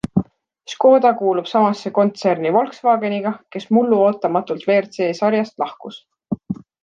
Škoda kuulub samasse kontserni Volkswageniga, kes mullu ootamatult WRC-sarjast lahkus.